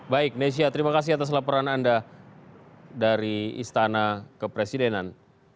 baik nesya terima kasih atas laporan anda dari istana kepresidenan